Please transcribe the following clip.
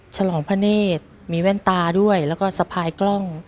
ฉลองพระเนธมีแว่นตาด้วยแล้วก็สะพายกล้อง